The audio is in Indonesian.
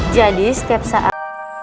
hai ah jadi setiap saat